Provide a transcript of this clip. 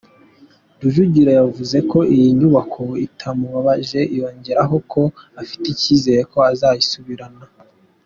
Rujugiro yavuze ko iyi nyubako itamubabaje yongeraho ko afite icyizere ko azayisubirana.